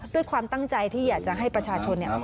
ด้วยความตั้งใจที่อยากจะให้ประชาชนเนี่ย